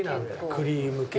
クリーム系。